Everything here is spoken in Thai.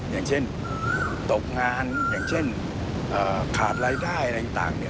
อย่างเช่นตกงานอย่างเช่นขาดรายได้อะไรต่าง